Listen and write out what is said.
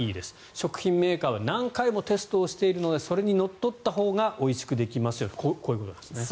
食品メーカーは何回もテストしているのでそれにのっとったほうがおいしくできますよとこういうことなんですね。